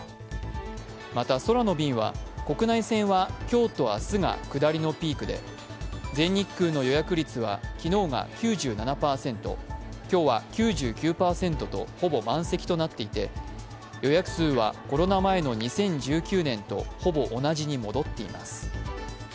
また空の便は国内線は今日と明日が下りのピークで全日空の予約率は昨日が９７％今日が９９％とほぼ満席になっていて予約数はコロナ前の２０１９年とほぼ同じに戻っています。